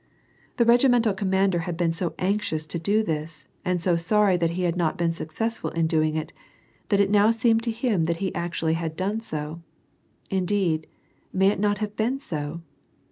'' The regimental commander had been so anxious to do this, and so sorry that he had not been successful in doing it, that it now seemed to him that he actually had done so. Indeeil, may it not have been so